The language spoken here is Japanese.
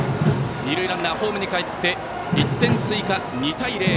二塁ランナー、ホームにかえって１点追加、２対０。